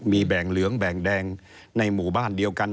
มีแบ่งเหลืองแบ่งแดงในหมู่บ้านเดียวกัน